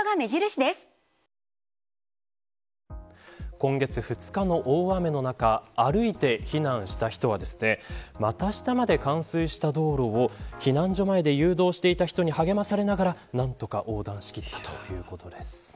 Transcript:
今月２日の大雨の中歩いて避難した人は股下まで冠水した道路を避難所前で誘導していた人に励まされながら何とか横断し切ったということです。